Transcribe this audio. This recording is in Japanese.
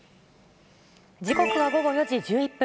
時刻は午後４時１１分。